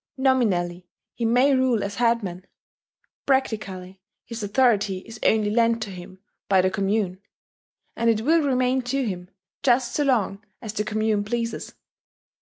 Nominally he may rule as headman: practically his authority is only lent to him by the commune, and it will remain to him just so long as the commune pleases.